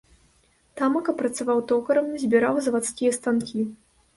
Тамака працаваў токарам, збіраў завадскія станкі.